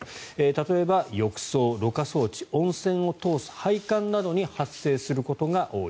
例えば浴槽、ろ過装置温泉を通す配管などに発生することが多い。